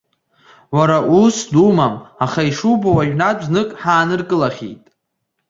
Уара усс думам, аха ишубо уажәнатә знык ҳааныркылахьеит.